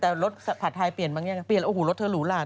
แต่รถผ่าทายเปลี่ยนบ้างแยะนะเปลี่ยนแล้วอุ้ยรถเธอหรูหร่า